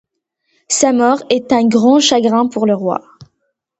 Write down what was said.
Sa mort est un grand chagrin pour le roi.